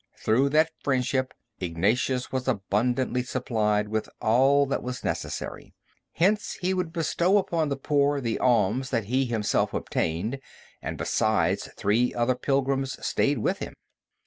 Through that friendship, Ignatius was abundantly supplied with all that was necessary; hence he would bestow upon the poor the alms that he himself obtained, and besides three other pilgrims stayed with him.